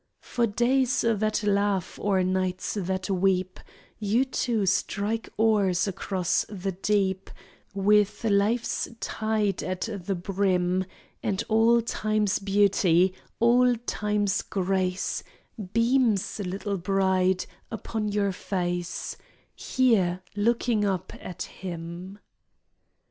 For days that laugh or nights that weep You two strike oars across the deep With life's tide at the brim; And all time's beauty, all love's grace Beams, little bride, upon your face Here, looking up at him.